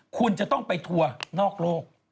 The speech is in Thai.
คุณจะต้องไปทัวร์นอกโลก